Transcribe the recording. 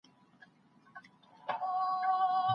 ورزش کول د روغتیا لپاره اړین دي.